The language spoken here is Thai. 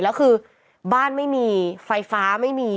แล้วคือบ้านไม่มีไฟฟ้าไม่มี